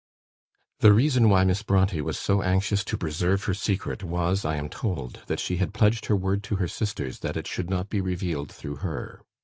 The reason why Miss Brontë was so anxious to preserve her secret, was, I am told, that she had pledged her word to her sisters that it should not be revealed through her.